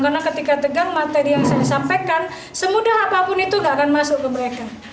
karena ketika tegang materi yang saya sampaikan semudah apapun itu nggak akan masuk ke mereka